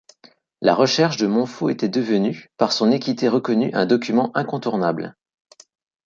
La recherche de Montfaut était devenue, par son équité reconnue, un document incontournable.